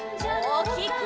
おおきく！